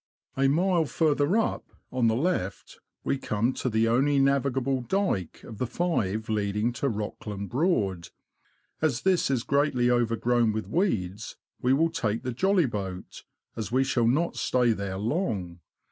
A mile further up, on the left, we come to the only navigable dyke of the five leading to Rockland Broad. As this is greatly overgrown with weeds, we will take the jolly boat, as we shall not stay there long.